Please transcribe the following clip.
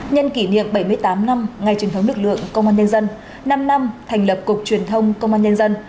nhân kỷ niệm bảy mươi tám năm ngày truyền thống lực lượng công an nhân dân năm năm thành lập cục truyền thông công an nhân dân